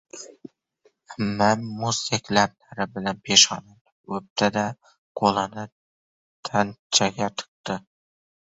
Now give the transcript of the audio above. Ammam muzdek lablari bilan peshonamdan o‘pdida, qo‘lini tanchaga tiqdi.